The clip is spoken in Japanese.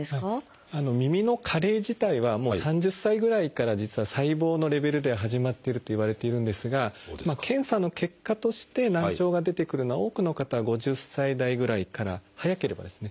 耳の加齢自体はもう３０歳ぐらいから実は細胞のレベルでは始まっているといわれているんですが検査の結果として難聴が出てくるのは多くの方は５０歳代ぐらいから早ければですね。